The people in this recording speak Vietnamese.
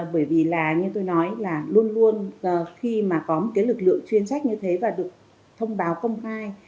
bởi vì là như tôi nói là luôn luôn khi mà có một cái lực lượng chuyên trách như thế và được thông báo công khai